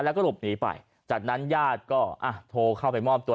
แล้วก็หลบหนีไปจากนั้นญาติก็อ่ะโทรเข้าไปมอบตัว